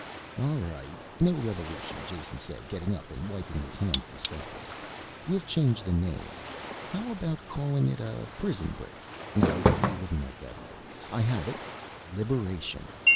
"All right, no revolution," Jason said, getting up and wiping his hands disgustedly. "We'll change the name. How about calling it a prison break? No, you wouldn't like that either. I have it liberation!